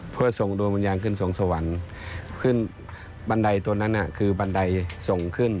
เพื่อส่งดวงวิญญาณขึ้นสวงสวรรค์ขึ้นบันไดตัวนั้นคือบันไดส่งขึ้น